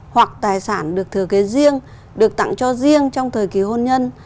hoặc tài sản được thừa kế riêng được tặng cho riêng trong thời kỳ hôn nhân